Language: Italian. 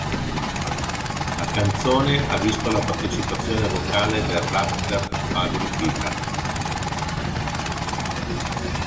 La canzone ha visto la partecipazione vocale del rapper Fabri Fibra.